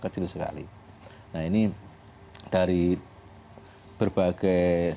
jadi gini dari segi